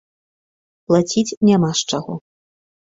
Плаціць няма з чаго.